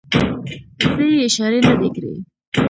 زه یې اشارې نه دي کړې.